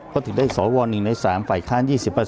ก็ถึงได้สว๑ใน๓ฝ่ายค้าน๒๐